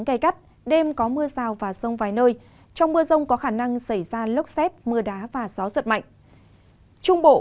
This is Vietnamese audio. khu vực tây nguyên